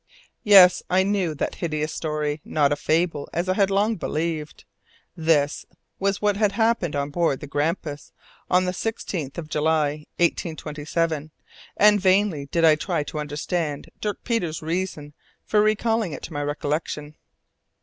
Yes! I knew that hideous story, not a fable, as I had long believed. This was what had happened on board the Grampus, on the 16th of July, 1827, and vainly did I try to understand Dirk Peters' reason for recalling it to my recollection.